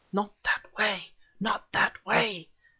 "Not that way! not that way!"